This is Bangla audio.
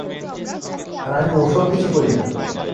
আর আমি ও-সব কিছু করি না।